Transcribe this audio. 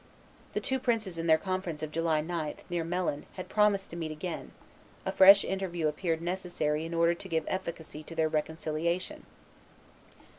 The two princes in their conference of July 9, near Melun, had promised to meet again; a fresh interview appeared necessary in order to give efficacy to their reconciliation.